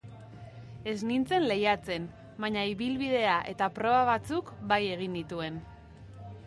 Ez nintzen lehiatzen, baina ibilbidea eta proba batzuk bai egin nituen.